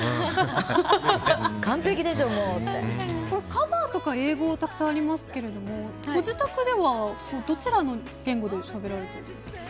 カバーとか英語たくさんありますけどご自宅では、どちらの言語でしゃべられているんですか？